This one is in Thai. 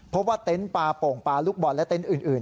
เต็นต์ปลาโป่งปลาลูกบอลและเต็นต์อื่น